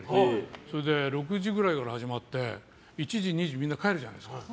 それで６時ぐらいから始まって１時にみんな帰るじゃないですか。